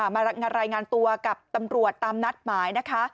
มารายงานตัวกับตำรวจตามนัดหมายนะคะ